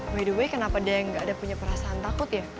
by the way kenapa dia nggak ada punya perasaan takut ya